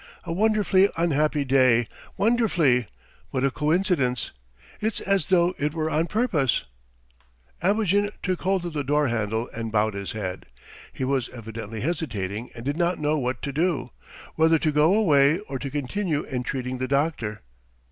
A wonderfully unhappy day ... wonderfully. What a coincidence. ... It's as though it were on purpose!" Abogin took hold of the door handle and bowed his head. He was evidently hesitating and did not know what to do whether to go away or to continue entreating the doctor.